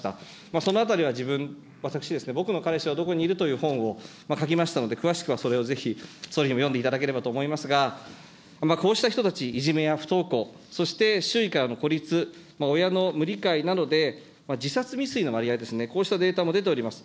そのあたりは、自分、私、僕の彼氏はどこにいるという本を書きましたので、詳しくはそれをぜひ、総理も読んでいただければと思いますが、こうした人たち、いじめや不登校、そして周囲からの孤立、親の無理解などで、自殺未遂の割合ですね、こうしたデータも出ております。